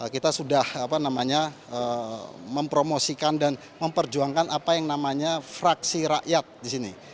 kita sudah mempromosikan dan memperjuangkan apa yang namanya fraksi rakyat di sini